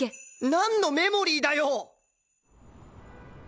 なんのメモリーだよ！